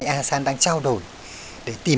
asean đang trao đổi